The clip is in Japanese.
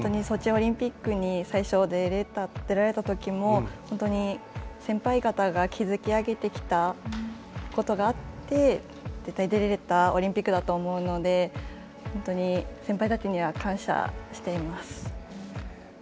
ソチオリンピックに最初、出られたときも本当に先輩方が築き上げてきたことがあって出れたオリンピックだと思うので先輩たちには感謝しています。